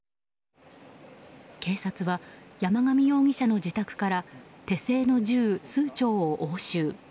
警察は山上容疑者の自宅から手製の銃、数丁を押収。